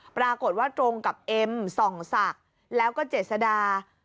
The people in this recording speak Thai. ปรากฏว่าตรงกับเอ็มส่องศักดิ์แล้วก็เจษดา